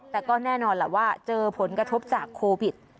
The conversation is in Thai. แต่ก็แน่นอนแหละว่าเจอผลกระทบจากโควิด